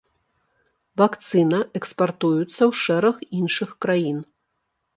Вакцына экспартуюцца ў шэраг іншых краін.